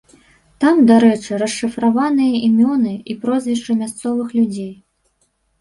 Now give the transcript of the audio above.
Там, дарэчы, расшыфраваныя імёны і прозвішчы мясцовых людзей.